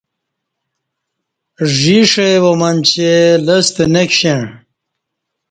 ژی ݜئی وامنچے لستہ نکشݩع